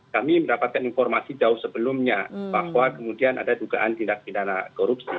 kami mendapatkan informasi jauh sebelumnya bahwa kemudian ada dugaan tindak pidana korupsi